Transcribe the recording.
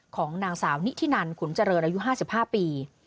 ของนางสาวนิธินันขุนเจริญอายุ๕๕ปี